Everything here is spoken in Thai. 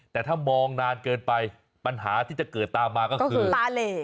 แต่ถ้ามองนานเกินไปปัญหาที่จะเกิดตามมาก็คือตาเหล